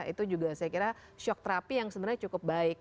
itu juga saya kira shock therapy yang sebenarnya cukup baik